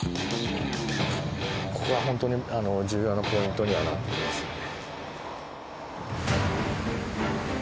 ここはホントに重要なポイントにはなってますよね。